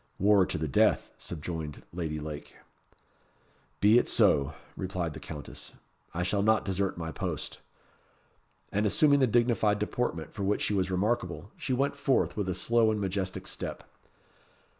"War to the death," subjoined Lady Lake. "Be it so," replied the Countess. "I shall not desert my post." And assuming the dignified deportment for which she was remarkable, she went forth with a slow and majestic step.